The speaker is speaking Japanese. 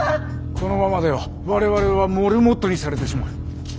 このままでは我々はモルモットにされてしまう。